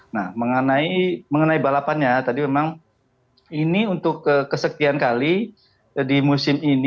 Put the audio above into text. nah mengenai balapannya tadi memang ini untuk kesekian kali di musim ini